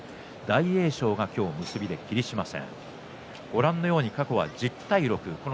大栄翔が、今日結びで霧島戦。